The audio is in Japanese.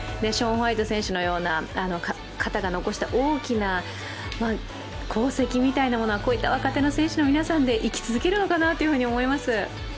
ショーン・ホワイト選手のような方が残した大きな功績のようなものはこういった若手の選手の皆さんに生き続けるのかなと思います。